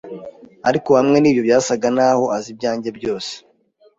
Ariko hamwe n’ibyo, byasaga n’aho azi ibyanjye byose.